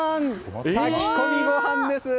炊き込みご飯です。